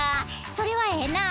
それはええな。